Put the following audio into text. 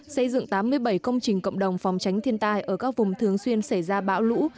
xây dựng tám mươi bảy công trình cộng đồng phòng tránh thiên tai ở các vùng thường xuyên xảy ra bão lũ